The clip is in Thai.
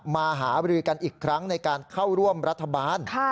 มาหาบริกันอีกครั้งในการเข้าร่วมรัฐบาล